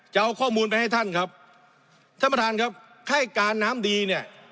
จะเอาข้อมูลไปให้ท่านครับท่านประธานครับให้การน้ำดีเนี่ย